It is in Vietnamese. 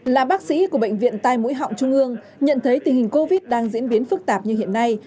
là bác sĩ của bệnh viện tai mũi họng trung ương nhận thấy tình hình covid đang diễn biến phức tạp như hiện nay